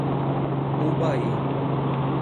Ubaí